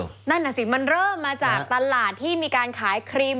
นั่นน่ะสิมันเริ่มมาจากตลาดที่มีการขายครีม